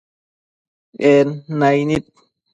En naic nid